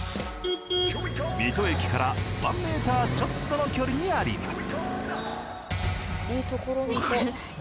水戸駅からワンメーターちょっとの距離にあります。